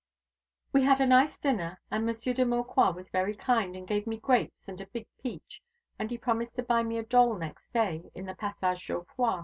"We had a nice dinner, and Monsieur de Maucroix was very kind, and gave me grapes and a big peach, and he promised to buy me a doll next day in the Passage Jouffroy.